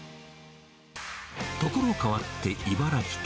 所変わって、茨城県。